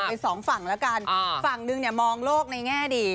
อยู่แบบเป็น๒ฝั่งละกันฝั่งนึงมองโลกในแง่ดี